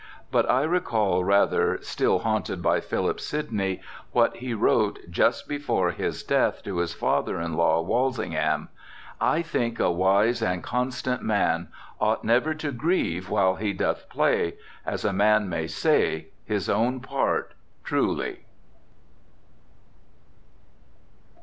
_" but I recall rather, still haunted by Philip Sidney, what he wrote, just before his death, to his father in law, Walsingham, "I think a wise and constant man ought never to grieve while he doth play, as a man may say, his own part truly."